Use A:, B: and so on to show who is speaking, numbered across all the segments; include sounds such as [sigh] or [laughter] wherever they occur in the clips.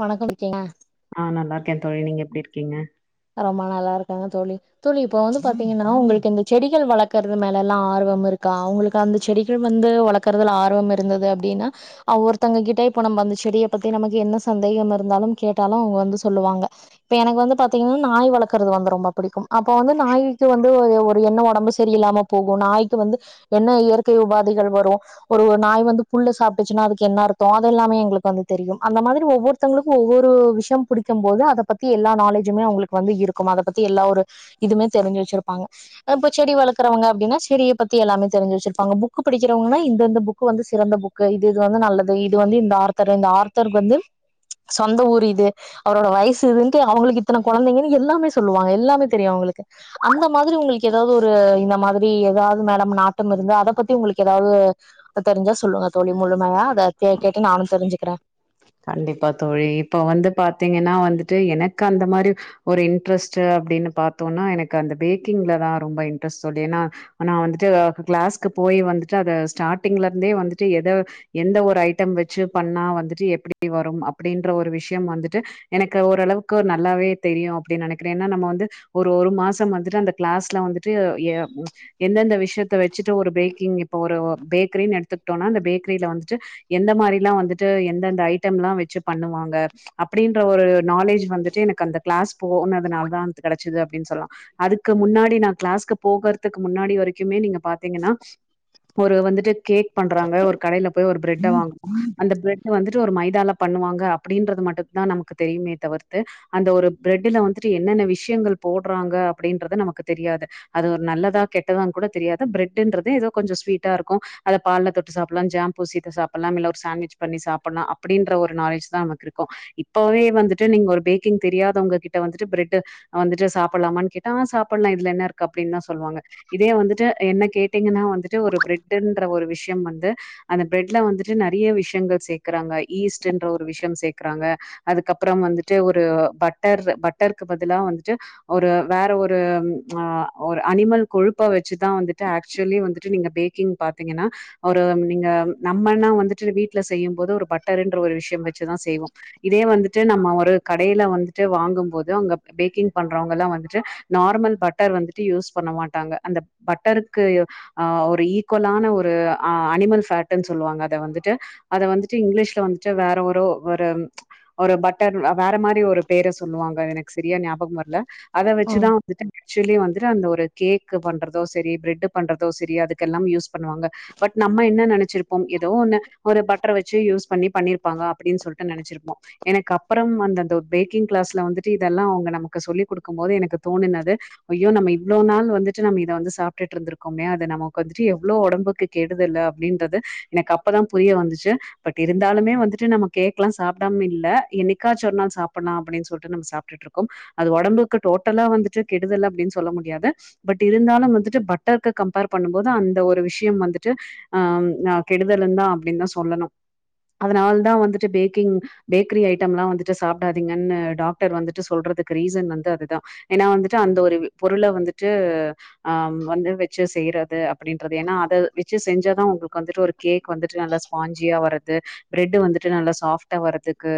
A: வணக்கம் இருக்கேங்கள
B: ஆ நல்லா இருக்கே தோழி நீங்க எப்டி இருக்கீங்க
A: ரொம்ப நல்லா இருக்கங்க தோழி தோழி இப்ப வந்து பாத்தீங்கன்னா உங்களுக்கு இந்த செடிகள் வளர்க்குறது மேலலா ஆர்வம் இருக்கா உங்களுக்கு அந்த செடிகள் வந்து வளக்குறதுல ஆர்வம் இருந்தது அப்டின்னா அ ஒருத்தங்க கிட்ட இப்போ நம்ம அந்த செடிய பத்தி நமக்கு என்ன சந்தேகம் இருந்தாலு கேட்டாலு அவுங்க வந்து சொல்லுவாங்க இப்ப எனக்கு வந்து பா த்தீங்கன்னா நாய் வளக்கறது வந்து ரொம்ப புடிக்கு அப்ப வந்து நாய்க்கு வந்து ஒரு ஒரு என்ன ஒடம்பு சரியில்லாம போகு நாய்க்கு வந்து என்ன இயற்கை உபாதிகள் வரு ஒரு ஒரு நாய் வந்து புள்ள சாப்ட்டுச்சுன்னா அதுக்கு என்ன அர்த்தோ அது எல்லாமே எங்களுக்கு வந்து தெரிய அந்த மாரி ஒவ்வொரு தவுங்களுக்கு ஒவ்வொரு விஷயோ புடிக்கும் போது அத பத்தி எல்லா நாளேஜ் ஜுமே அவுங்களுக்கு வந்து இருக்கு அத பத்தி எல்லா ஒரு இதுமே தெரிஞ்சு வச்சிருப்பாங்க இப்போ செடி வளக்கறவங்க அப்டின்னா செடிய பத்தி எல்லாமே தெரிஞ்சு வச்சிருப்பாங்க புக்கு படிக்கிறவங்கன்னா இந்தந்த புக்கு வந்து சிறந்த புக் கு இது இது வந்து நல்லது இது வந்து இந்த ஆர்த்தர் இந்த ஆர்த்தரு வந்து சொந்த ஊர் இது அவுரோட வயசு இதுன்ட்டு அவுங்களுக்கு இத்தன குழந்தைங்கன்னு எல்லாமே சொல்லுவாங்க எல்லாமே தெரியு அவுங்களுக்கு அந்த மாதிரி உங்களுக்கு ஏதாவது ஒரு இந்த மாதிரி ஏதாவது மேடம் நாட்டம் இருந்து அத பத்தி உங்களுக்கு ஏதாவது இப்ப தெரிஞ்சா சொல்லங்க தோழி முழுமையா அத கேக்க கேக்க நானு தெரிஞ்சுக்கற
B: கண்டிப்பா தோழி இப்ப வந்து பாத்தீங்கன்னா வந்துட்டு எனக்கு அந்த மாரி ஒரு இன்ட்ரெஸ்ட்டு அப்டின்னு பாத்தோன்னா எனக்கு அந்த பேக்கிங்லதா ரொம்ப இன்ட்ரெஸ்ட் தோழி ஏன்னா நா வந்துட்டு கிளாஸ்க்கு போய் வந்துட்டு அத ஸ்டார்டிங்ல இருந்தே வந்துட்டு எத எந்த ஒரு ஐட்டம் வச்சு பண்ணா வந்துட்டு எப்டி வரும் அப்டின்ற ஒரு விஷயம் வந்துட்டு எனக்கு ஓரளவுக்கு நல்லாவே தெரியு அப்டின் நெனைக்கிறே ஏன்னா நம்ம வந்து ஒரு ஒரு மாசம் வந்துட்டு அந்த கிளாஸ்ல வந்துட்டு ஏ எந்தெந்த விஷயத்த வச்சுட்டு ஒரு பேக்கிங் இப்ப ஒரு பேக்கரின்னு எடுத்துக்கிட்டோன்னா அந்த பேக்கரியில வந்துட்டு எந்த மாரில்லா வந்துட்டு எந்தெந்த ஐட்டம்லா வச்சு பண்ணுவாங்க அப்படின்ற ஒரு நாலேஜ் வந்துட்டு எனக்கு அந்த கிளாஸ் போணதுனால தா அ கெடைச்சிது அப்டின்னு சொல்லலா அதுக்கு முன்னாடி நா க்ளாஸ்க்கு போகுறதுக்கு முன்னாடி வரைக்குமே நீங்க பாத்தீங்கன்னா ஒரு வந்துட்டு கேக் பண்றாங்க ஒரு கடையில போய் ஒரு ப்ரட்ட வாங்குவோ அந்த பிரெட் வந்துட்டு ஒரு மை இதால பண்ணுவாங்க அப்படின்றது மட்டுந்தா நமக்கு தெரியுமே தவிர்த்து அந்த ஒரு ப்ரெட்ல வந்துட்டு என்னென்ன விஷயங்கள் போடுறாங்க அப்படின்றது நமக்கு தெரியாது அது ஒரு நல்லதா கெட்டதானு கூட தெரியாது ப்ரெட்ன்றது ஏதோ கொஞ்ச ஸ்வீட்டா இருக்கு அத பால்ல தொட்டு சாப்பில்லா ஜேம் பூசிட்டு சாப்பல்லா இல்ல ஒரு சாண்விட்ச் பண்ணி சாப்பலா அப் அப்டின்ற ஒரு நாலேஜ் தா நமக்கு இருக்கு இப்பவே வந்துட்டு நீங்க ஒரு பேக்கிங் தெரியாதவங்க கிட்ட வந்துட்டு ப்ரெட்டு அ வந்துட்டு சாப்பலாமான்னு கேட்டா ஆ சாப்பலா இதுல என்ன இருக்கு அப்டினுதா சொல்லுவாங்க இதே வந்துட்டு என்ன கேட்டீங்கனா வந்துட்டு ஒரு ப்ரட்டுன்ற ஒரு விஷயம் வந்து அந்த ப்ரெட்ல வந்துட்டு நெறைய விஷயங்கள் சேக்குறாங்க ஈஸ்ட்ன்ற ஒரு விஷயம் சேக்கறாங்க அதுக்கப்றம் வந்துட்டு ஒரு பட்டர் பட்டருக்கு பதிலா வந்துட்டு ஒரு வேற ஒரு ஆ ஒரு அனிமல் கொழுப்ப வச்சுதா வந்துட்டு ஆக்சுவலி வந்துட்டு நீங்க பேக் கிங் பாத்தீங்கனா ஒரு நீங்க நம்மனா வந்துட்டு வீட்ல செய்யும்போது ஒரு பட் ட்டருன்ற ஒரு விஷயம் வச்சு தா செய்வோ இதே வந்துட் டு நம்ம ஒரு கடைல வந்த்ட்டு வாங்கும் போது அங்க பேக்கிங் பண்றவங்கலா வந்துட்டு நார்மல் பட்டர் வந்துட்டு யூஸ் பண்ண மாட்டாங்க அந்தப் பட்டருக்கு ஆ ஒரு ஈக்குவலான ஒரு் அ அனிமல் ஃபேட்டுனு சொல்வாங்க அத வந்துட்டு வன்ட்டு வேறவரோ இவரு ஒரு பட்டர் வேற மாறி ஒரு பேர சொல்லுவாங்க எனக்கு சரியா ஞாபகம் வரல அத
A: ம்
B: வச்சுதா வந்தட்டு ஆக்சுவலி வந்துட்டு அந்த ஒரு கேக் பண்றதோ சரி பிரெட் பண்றதோ சரி அதுக்கெல்லாம் யூஸ் பண்ணுவாங்க பட் நம்ம என்ன நெனைச்சிருப்போ ஏதோ ஒன்னு ஒரு பட்டரை வச்சு யூஸ் பண்ணி பண்ணிருப்பாங்க அப்டின் சொல்லிட்டு நெனைச்சிருப்போ எனக்கு அப்பறம் அந்தந்த பேக்கிங் கிளாஸ்ல வந்துட்டு இதெல்லா அவங்க நமக்கு சொல்லி் குடுக்கும் போது எனக்கு தோணுனது ஐய்யோ நம இவ்வளோ நாள் வந்துட்டு நம்ம இத வந்து சாப்ட்டுட்ருக்கோமே அது நமக்கு வந்துட்டு எவ்ளோ ஒடம்புக்கு கெடுதல்லு அப்படின்றது எனக்கு அப்பதா புரிய வந்துச்சு பட் இருக்கு இருந்தாலுமே வந்துட்டு நம்ம கேக்லா சாப்டாம இல்ல என்னைக்காச்சு ஒரு நாள் சாப்பலா அப்படின் சொல்ட்டு நம்ம சாப்டு ட்டுட்ருக்கு அது ஒடம்புக்கு டோட்டலா வந்துட்டு கெடுதல் அப்படின்னு சொல்ல முடியாது பட் இருந்தாலும் வந்துட்டு பட்டரு கம்பேர் பண்ணும்போது அந்த ஒரு விஷயம் வந்துட்டு ஆம் நா கெடுதலனுதா அப்டின்தா சொல்லணு அதனால தா வந்துட்டு பேக்கிங் பேக்கரி ஐட்டம்லா வந்துட்டு சாப்பிடாதீங்கன்னு டாக் டரு வந்துட்டு சொல்றதுக்கு ரீசன் வந்து அதுதா ஏன்னா வந்துட்டு அந்த ஒரு பொருள வந்துட்டு ஆ வந்து வச்சு செய்றது அப்டின்றது ஏனா அத வச்சு செஞ்சாதா உங்களுக்கு வந்துட்டு ஒரு கேக் வந்துட்டு நல்லா ஸ்பான்ஞ்ஞியா வரது பிரெட் வந்துட்டு நல்லா சாஃப்டா வரதுக்கு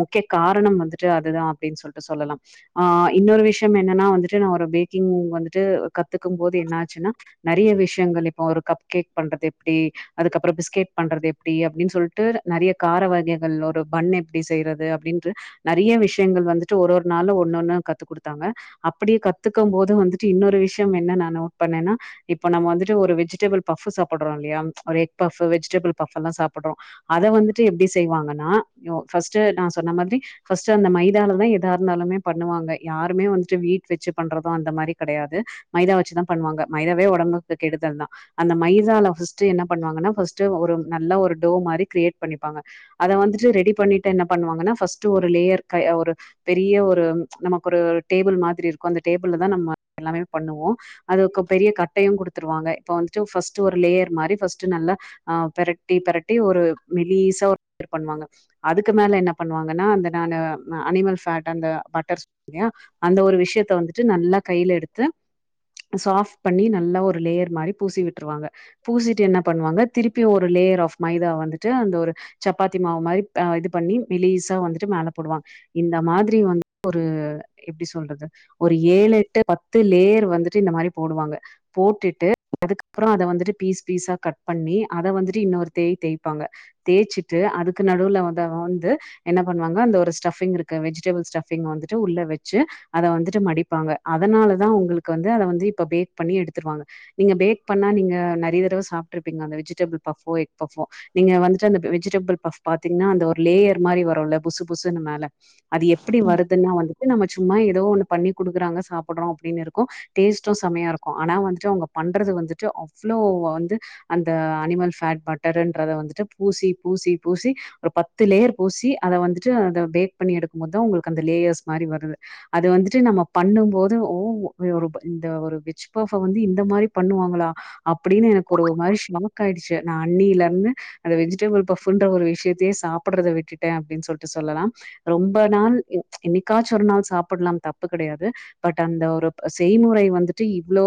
B: முக்கிய காரணம் வந்துட்டு அதுதா அப்டின் சொல்லிட்டு சொல்லலா ஆ இன்னொரு விஷயம் என்னனா வந்துட்டு நா ஒரு பேக்கிங் வந்துட்டு கத்துக்கும் போது என்ன ஆச்சுனா நெறைய விஷயங்கள் இப்போ ஒரு கப் கேக் பண்றது எப்டி அதுக்கப்றோ பிஸ்கெட் பண்றது எப்டி அப்டின்னு சொல்ட்டு நெறைய கார வகைகள் ஒரு பண் எப்டி செய்றது அப்படின்னு நெறைய விஷயங்கள் வந்துட்டு ஒரு ஒரு நாளு ஒன்னொன்னு கத்து குடுத்தாங்க அப்டியே கத்துக்கும் போது வந்துட்டு இன்னொரு விஷயம் என்ன நா நோட் பண்ணேனா இப்ப நம்ம வந்த்ட்டு ஒரு வெஜிடபிள் பஃப் சாப்பட்றோ இல்லயா ஒரு எக் பஃப் வெஜிடபிள் பஃப் எல்லா சாப் பட்றோ அத வந்துட்டு எப்டி செய்வாங்கனா ஃபர்ஸ்ட்டு நா சொன்ன மாதிரி ஃபர்ஸ்ட் அந்த மைதாலாதா எதா இருந்தாலுமே பண்ணுவாங்க யாருமே வந்துட்டு வீட்வச்சு பண்றது அந்த மாரி கெடையாது மைதா வச்சுதா பண்வாங்க மைதாவே ஒடம்புக்கு கெடுதல் தா அந்த மைதால ஃபர்ஸ்ட் என்ன பண்ணுவாங்கனா ஃபர்ஸ்ட்டு ஒரு நல்ல ஒரு டோ மாரி கிரியேட் பண்ணிப்பாங்க அத வந்துட்டு ரெடி பண்ணிட்டு என்ன பண்ணுவாங்னா ஃபர்ஸ்ட்டு ஒரு லேயர் கய ஒரு பெரிய ஒரு நமக்கு ஒரு டேபிள் மாதிரி இருக்கு அந்த டேபிள்ள தா நம்ம எல்லாமே பண்ணுவோ அதுக்கு பெரிய கட்டையு குடுத்துருவாங்க இப்ப வந்துட்டு ஃபஸ்ட் ஒரு லேயர் மாறி ஃபர்ஸ்ட் நல்லா ஆ பெரட்டி பெரட்டி ஒரு மெலிசா [inaudible] பண்வாங்க அதுக்கு மேல என்ன பண்ணுவாங்கனா அந்த நானு அனிமல் ஃபேட் அந்த பட்டர்ஸ் யா அந்த ஒரு விஷயத்த வந்துட்டு நல்லா கைல எடுத்து சாஃப்ட் பண்ணி நல்லா ஒரு லேயர் மாறி பூசி விட்ருவாங்க பூசிட்டு என்ன பண்வாங்க திருப்பியு ஒரு லேயர் ஆஃப் மைதாவ வந்துட்டு அந்த ஒரு சப்பாத்தி மாவு மாறி ப் இது பண்ணி மெலிசா வந்துட்டு மேல போடுவாங்க இந்த மாதிரி வ [inaudible] ஒரு எப்டி சொல்றது ஒரு ஏழு எட்டு பத்து லேயர் வந்துட்டு இந்த மாரி போடுவாங்க போட்டுட்டு அதுக்கப்றோ அத வந்துட்டு பீஸ் பீஸா கட் பண்ணி அத வந்துட்டு இன்னொரு தேய் தேய்ப்பாங்க தேச்சுட்டு அதுக்கு நடுவுல அத வ வந்து என்ன பண்வாங்க அந்த ஒரு ஸ்டஃபிங் இருக்க வெஜிடபுள் ஸ்டஃபிங்க வந்துட்டு உள்ள வச்சு அத வந்துட்டு மடிப்பாங்க அதனாலதா உங்களுக்கு வந்து அத வந்து இப்ப பேக் பண்ணி எடுத்துருவாங்க நீங்க பேக் பண்ணா நீங்க நெறைய தடவ சாப்ட்டு இருப்பீங்க அந்த வெஜிடபுள் பஃபோ எக் பஃபோ நீங்க வந்துட்டு அந்த வெஜிடபுள் பஃப் பாத்தீங்னா அந்த ஒரு லேயர் மாரி வருல புசு புசுனு மேல அது எப்டி வருதுன்னா வந் அது நம்ம சும்மா ஏதோ ஒண்ணு பண்ணி குடுக்குறாங்க சாப்பட்றோ அப்டின் இருக்கு டேஸ்ட்டு செமையா இருக்கு ஆனா வந்துட்டு அவு ங்க பண்றது வந்துட்டு அவ்ளோ வந்து அந்த அனிமல் ஃபேட் பட்டருன்றத வந்துட்டு பூசி பூசி பூசி ஒரு பத்து லேயர் பூசி அத வந்துட்டு அத பேக் பண்ணி எடுக்கும் போதுதா உங்களுக்கு அந்த லேயர்ஸ் மாரி வரது அது வந்துட்டு நம்ம பண்ணும்போது ஓ ஒரு ப இந்த ஒரு வெச் பஃப்ப வந்து இந்த மாரி பண்ணுவாங்களா அப்டின்னு எனக்கு ஒரு மாரி ஷாக் ஆயிடுச்சு நா அண்ணில இருந்து அந்த வெஜிடபுள் பஃப்புன்ற ஒரு விஷயத்தையே சாப்பட்றத விட்டுட்டே அப்டின் சொல்ட்டு சொல்லலாம் ரொம்ப நாள் என்னைக்காச்சு ஒரு நாள் சாப்பட்லாம் தப்பு கிடையாது பட் அந்த ஒரு செய்முறை வந்துட்டு இவ்ளோ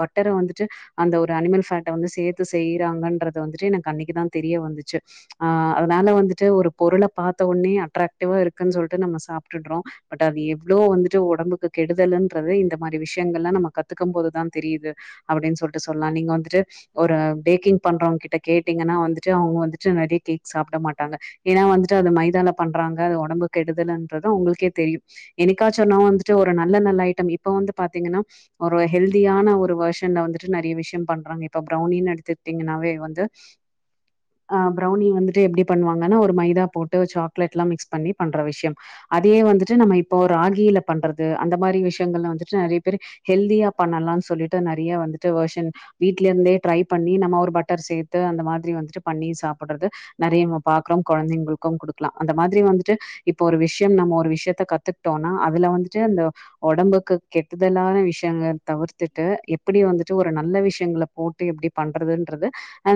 B: ப ட்டர வந்துட்டு அந்த ஒரு அனிமல் ஃபேட்ட வந்து சேத்து செய்றாங்கன்ற துட்டு எனக்கு அன்னைக்குதா தெரிய வந்துச்சு ஆ அதனால வந்துட்டு ஒரு பொருள பாத்த உட்னே அட்ராக்டிவ்வா இருக்குன் சொல்ட்டு நம்ம சாப்டுட்றோ பட் அது எவ்ளோ வந்துட்டு உடம்புக்கு கெடுதலுன்றது இந்த மாறி விஷயங்கல்லா நம்ம கத்துக்கும் போது தா தெரியிது அப்டின் சொல்ட்டு சொல்லா நீங்க வந்துட்டு ஒரு பேக்கிங் பண்றவங்கி ட்ட கேட்டீங்கனா வந்துட்டு அவுங்க வந்துட்டு நெறைய கேக் சாப்ட மாட்டாங்க ஏன்னா வந்துட்டு அது மைதால பண்றாங்க அது ஒடம்பு கெடுதலுன்றது உங்களுக்கே தெரியு என்னைக்காச்சு ஒரு நாள் வந்துட்டு ஒரு நல்ல நல்ல ஐட்டம் இப்ப வந்து பாத்தீங்கன்னா ஒரு ஹெல்தியான ஒரு வேர்ஷன்ல வந்துட்டு நிறைய விஷயம் பண்றாங்க இப்ப பிரவுனின் எடுத்துட்டீங்ன்னாவே வந்து [inaudible] ஆ பிரவுனி வந்துட்டு எப்டி பண்வாங்கன்னா ஒரு மைதா போட்டு சாக்லேட்லா மிக்ஸ் பண்ணி பண்ற விஷயம் அதே வந்துட்டு நம்ம இப்போ ராகில பண்றது அந்த மாரி விஷயங்கள்லா வந்துட்டு நெறைய பேரு ஹெல்தியா பண்ணலாம்னு சொல்லிட்டு நறைய வந்துட்டு வர்ஷன் வீட்ல இருந்தே ட்ரை பண்ணி நம்ம ஒரு பட்டர் சேர் த்து அந்த மாதிரி வந்துட்டு பண்ணி சாப்படுறது நறைய நம்ம பாக்குறோ கொழந்தைங்களுக்கு குடுக்கு லா அந்த மாதிரி வந்துட்டு இப்ப ஒரு விஷயம் நம்ம ஒரு விஷயத்த கத்துக்ட்டோனா அதுல வந்துட்டு அந்த உடம்புக்கு கெட்டுதலான விஷயங்க தவிர்த்துட்டு எப்டி வந்துட்டு ஒரு நல்ல விஷயங்கள போட்டு எப்டி பண்றதுன்றது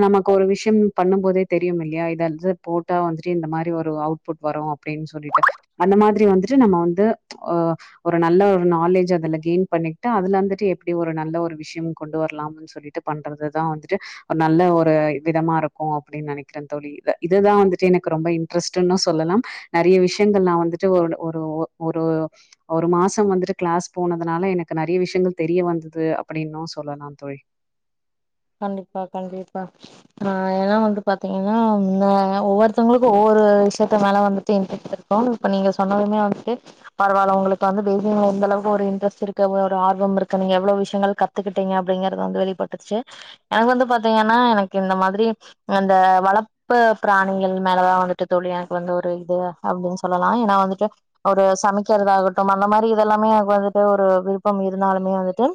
B: நமக்கு ஒரு விஷயம் பண்ணும் போதே தெரியு இல்லையா இந்த அஜப் போட்டா வந்துட்டு இந்த மாதிரி ஒரு அவுட் புட் வரு அப்டின்னு சொல்லிட்டு அந்த மாதிரி வந்துட்டு நம்ம வந்து ஓ ஒரு நல்ல ஒரு நாலேஜ் அதுல கெயின் பண்ணிட்டு அதுல இருந்துட்டு எப்டி ஒரு நல்ல ஒரு விஷயம் கொண்டு வரலாம்னு சொல்லிட்டு பண்றதுதா வந்துட்டு ஒரு நல்ல ஒரு இப்ப இதமா இருக்கு அப்டின்னு நெனைக்கிற தோழி இதுதா வந்துட்டு எனக்கு ரொம்ப இன்ட்ரெஸ்ட்ன்னு சொல்லலாம் நறைய விஷயங்கள் நா வந்துட்டு ஒரு ஒரு ஒரு ஒரு மாசம் வந்துட்டு கிளாஸ் போனதுனால எனக்கு நறைய விஷயங்கள் தெரிய வந்தது அப்டின்னு சொல்லல ஆம் தோழி
A: கண்டிப்பா கண்டிப்பா ஆ ஏனா வந்து பாத்தீங்கனா ஒவ்வொருத்தங்களுக்கு ஒவ்வொரு விஷயத்த மேல வந்துட்டு இன்ட்ரெஸ் க்கு இப்ப நீங்க சொன்னதுமே அவனுக்கு பரவால உங்களுக்கு வந்து பேபி மேல இந்த அளவு ஒரு இன்ட்ரெஸ்ட் இருக்கு ஒரு ஆர்வம் இருக்கு நீங்க எவ்ளோ விஷயங்கள் கத் கத்துக்கிட்டிங்க அப்டிங்கறத வந்து வெளிப்பட்டுருச்சி எனக்கு வந்து பாத்தீங்கன்னா எனக்கு இந்த மாதிரி இந்த வளர்ப் பு பிராணிகள் மேலதா வந்துட்டு தோழி எனக்கு வந்து ஒரு இது அப்டின்னு சொல்லலா ஏன்னா வந்துட்டு ஒரு சமைக்கிறத ஆகட்டு அந்த மாரி இதெல்லாமே எனக்கு வந்துட்டு ஒரு விரும்பம் இருந்தாலுமே வந்துட்டு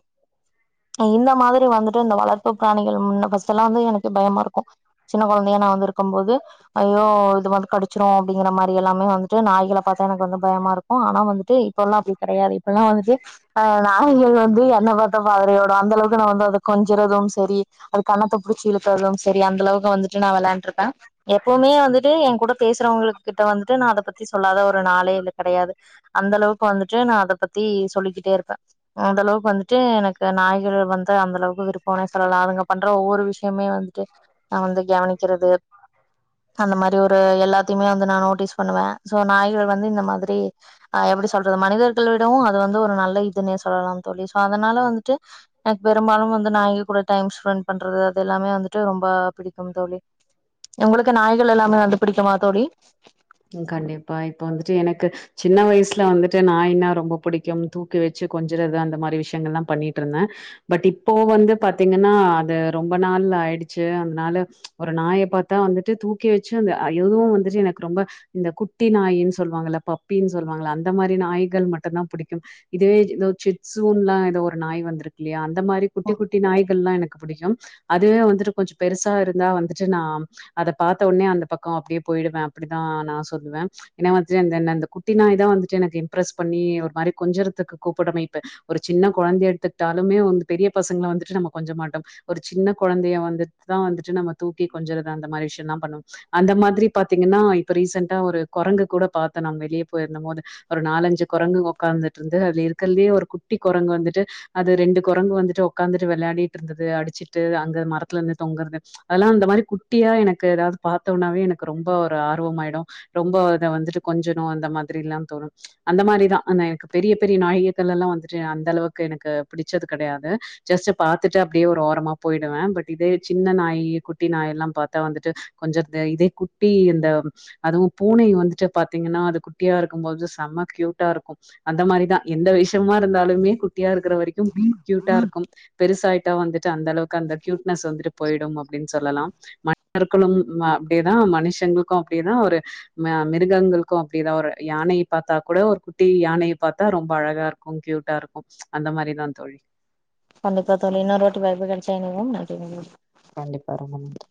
A: இந்த மாதிரி வந்துட்டு இந்த வளர்ப் பு பிராணிகள் முன்ன ஃபர்ஸ்ட் எல்லா வந்து எனக்கு பயமா இருக்கு சின்ன கொழந்தையா நா வந்து இருக்கும் போது ஐயோ இது வந்து கடிச்சிரு அப்டிங்கிற மாரி எல்லாமே வந்துட்டு நாய்கள பாத்தா எனக்கு வந்து பயமா இருக்கு ஆனா வந்துட்டு இப்போலா அப்டி கிடையாது இப்பெல்லா வந்துட்டு ஆ நாய்கள் வந்து என்ன பாத்தா பதரியோடு அந்த அளவுக்கு நா வந்து அத கொஞ்சறதும் தெரி அது கன்னத்த புடிச்சி இழுக்கதும் செரி அந்த அளவுக்கு வந்துட்டு நா வெளாண்டுருப்ப எப்பவுமே வந்துட்டு என் கூட பேசுறவங்களு கிட்ட வந்துட்டு நா அத பத்தி சொல்லாத ஒரு நாளே இல்ல கெடயாது அந்த அளவுக்கு வந்துட்டு நா அத பத்தி சொல்லிக்கிட்டே இருப்ப அந்த அளவுக்கு வந்துட்டு எனக்கு நாய்கள் வந்து அந்த அளவுக்கு விருப்பனே நா அதுங்க பண்ற ஒவ்வொரு விஷயமே வந்துட்டு நா வந்து கவனிக்கிறது அந்த மாரி ஒரு எல்லாத்தியுமே வந்து நா நோட்டிஸ் பண்ணுவ சோ நாய்கள் வந்து இந்த மாதிரி ஆ எப்டி சொல்றது மனிதர்கள் விடவு அது வந்து ஒரு நல்ல இதுன்னே சொல்லலா தோழி சாதா அதனால வந்துட்டு எனக்கு பெரும்பாலு வந்து நாய்க கூட டைம் ஸ்பெண்ட் பண்றது அது எல்லாமே வந்துட்டு ரொம்ப புடிக்கு தோழி உங்களுக்கு நாய்கள் எல்லாமே வந்து பிடிக்குமா தோழி
B: ம் கண்டிப்பா இப்ப வந்துட்டு எனக்கு சின்ன வயசுல வந்துட்டு நாய ஒனா ரொம்ப புடிக்கும் தூக்கி வச்சு கொஞ்சறது அந்த மாதிரி விஷய எஎன்னெல்லா ணிட்டு இருந்த பட் இப்போ வந்து பாத்தீங்கன்னா அது ரொம்ப நாள் ஆயிடுச்சு அதனால ஒரு நாயை பார்த்தா வந்துட்டு தூக்கி வச்சு அய்யோ வந்துட்டு எனக்கு ரொம்ப இந்த குட்டி நாயின்னு சொல்லுவாங்கள பப்பின்னு சொல்லுவாங்கள அந்த மாதிரி நாய்கள் மட்டுதா புடிக்கும் இதவே இதோ சிப்ஸுன் எல்லா ஏதோ ஒரு நாய் வந்திருக்கு இல்லையா அந்த மாதிரி குட்டி குட்டி நாய்கள்லா எனக்கு புடிக்கும் அதுவே வந்துட்டு கொஞ்ச பெருசா இருந்தா வந்துட்டு நா அத பாத்த உடனே அந்த பக்கம் அப்டியே போயிடுவ அப்டிதா நா சொல்லுவ என்னவாச்சு அந்த என்ன அந்த குட்டி நாய் தா வந்துட்டு எனக்கு இம்ப்ரஸ் பண்ணி ஒரு மாரி கொஞ்சறதுக்கு கூப்ட்றமே இப்ப ஒரு சி ன்ன கொழந்தய எடுத்துக்ட்டாலுமே வந்து பெரிய பசங்கள வந்துட்டு நம்ம கொஞ்ச மாட்டோ ஒரு சின்ன கொழந்தய வந்துட்டுதா வந்துட்டு நம்ம தூக்கி கொஞ்சறது அந்த மாரி விஷ்யம்லாம் பண்ணுவோம் அந்த மாரி பாத்தீங்கன்னா இப்ப ரீசென்ட்டா ஒரு குரங்கு கூட பாத்தே நா வெளிய போயிருந்த போது ஒரு நாலஞ்சு கொரங்கு உக்காந்துட்டுருந்து அதுல இருக்கலயே ஒரு குட்டி கொரங்கு வந்துட்டு அது ரெண்டு கொரங்கு வந்துட்டு ஒக்காந்துட்டு வெளாடிட்டு இருந்தது அடிச்சிட்டு அங்க மரத்துலந்து தொங்கறது அதல்லாம் இந்த மாரி குட்டியா எனக்கு ஏதாது பாத்தோனாவே எனக்கு ரொம்ப ஒரு ஆர்வமாயிடும் ரொம்ப அத வந்துட்டு கொஞ்சனும் அந்த மாதிரிலாம் தோணும் அந்த மாரிதா அந்த எனக்கு பெரிய பெரிய நாயக்கள எல்லா வந்துட்டு அந்த அளவுக்கு எனக்கு பிடிச்சது கெடையாது ஜஸ்ட் பாத்துட்டு அப்டியே ஒரு ஓரமா போயிடுவே பட் இதே சின்ன நாய் குட்டி நாய் எல்லாம் பாத்தா வந்துட்டு கொஞ்சறது இதே குட்டி இந்த அதுவும் பூனைய வந்துட்டு பாத்தீங்கன்னா அது குட்டியா இருக்கும்பொது செம்ம க்யூட்டா இருக்கும் அந்த மாரிதா எந்த விஷ்யமா இருந்தா லுமே குட்டியா இருக்கற வரைக்கு க்யூட்டா இருக்கு பெருசாயிட்டா வந்து ட்டு அந்த அளவுக்கு அந்த க்யூட்னஸ் வந்துட்டு போயிடும் அப்டின்னு சொல்லலாம் மன்னர்க்களும் அப்டிதான் மனுஷங்களுக்கும் அப்டியே தான் ஒரு ம மிருகங்களுக்கும் அப்டிதான் ஒரு யானையை பாத்தா கூட ஒரு குட்டி யானையை பாத்தா ரொம்ப அழகா இருக்கும் க்யூட் டா இருக்கும் அந்த மாரிதா தோழி
A: கண்டிப்பா தோழி இன்னொருவாட்டி வாய்பு கடச்சா இணைவோம் நன்றி வணக்
B: கண்டிப்பா ரொம்ப நன்றி